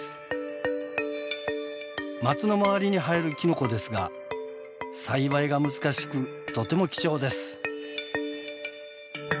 マツの周りに生えるキノコですが栽培が難しくとても貴重です。